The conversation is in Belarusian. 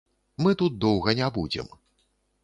Мы тут доўга не будзем.